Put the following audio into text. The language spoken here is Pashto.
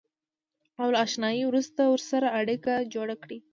او له اشنایۍ وروسته ورسره اړیکه جوړه کړئ.